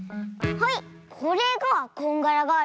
はい！